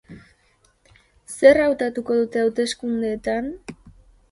Zer hautatuko dute hauteskundeetan?